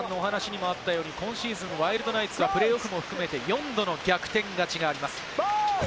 福岡さんのお話にもあったように、今シーズン、ワイルドナイツはプレーオフも含めて、４度の逆転勝ちがあります。